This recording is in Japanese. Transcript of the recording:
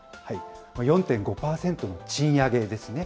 ４．５％の賃上げですね。